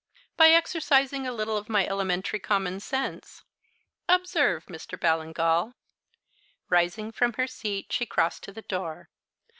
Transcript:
"By exercising a little of my elementary common sense. Observe, Mr. Ballingall." Rising from her seat, she crossed to the door.